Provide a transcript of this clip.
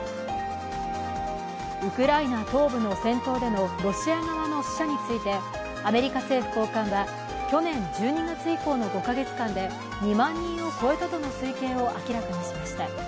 ウクライナ東部の戦闘でのロシア側の死者についてアメリカ政府高官は、去年１２月以降の５か月間で２万人を超えたとの推計を明らかにしました。